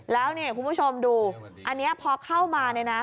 แล้วนี่คุณผู้ชมดูอันนี้พอเข้ามา